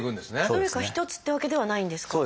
どれか一つってわけではないんですか？